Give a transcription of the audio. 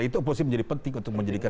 itu oposisi menjadi penting untuk menjadikan